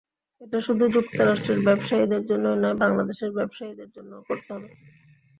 এটা শুধু যুক্তরাষ্ট্রের ব্যবসায়ীদের জন্যই নয়, বাংলাদেশের ব্যবসায়ীদের জন্যও করতে হবে।